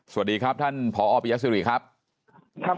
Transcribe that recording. สวัสดีครับท่านผอปิยสิริครับ